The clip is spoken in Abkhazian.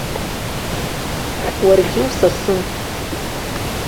Уаргьы усасын.